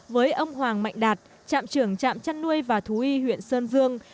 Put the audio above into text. với ông hoàng mạnh đạt trạm trưởng trạm chăn nuôi và thú y huyện sơn dương